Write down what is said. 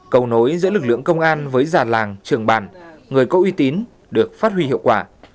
cầu nối giữa lực lượng công an với già làng trường bàn người có uy tín được phát huy hiệu quả